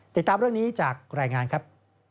ติดตามเรื่องนี้จากรายงานครับ